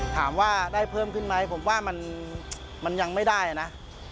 ถามว่าได้เพิ่มขึ้นไหมผมว่ามันยังไม่ได้นะ